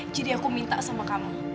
jadi aku minta sama kamu